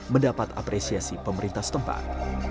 mendapat apresiasi pemerintah setempat